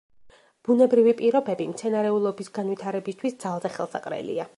ბუნებრივი პირობები მცენარეულობის განვითარებისთვის ძალზე ხელსაყრელია.